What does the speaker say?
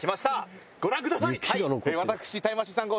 ご覧ください！